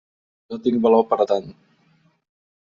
No tinc valor per a tant.